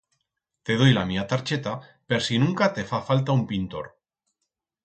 Te doi la mía tarcheta per si nunca te fa falta un pintor.